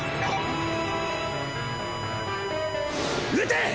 撃て！